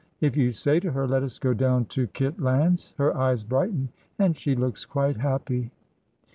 If you say to her, 'Let us go down to Kitlands,' her eyes brighten, and she looks quite happy."